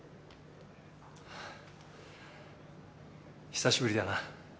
久しぶりだな。